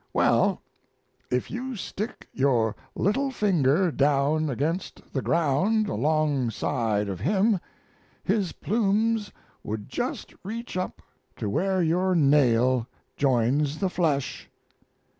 Well, if you could stick your little finger down against the ground alongside of him his plumes would just reach up to where your nail joins the flesh."